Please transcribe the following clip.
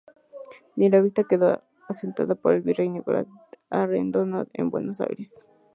La visita quedó asentada por el Virrey Nicolás de Arredondo en Buenos Aires.